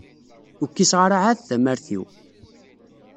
Ur kkiseɣ ara ɛad tamart-iw.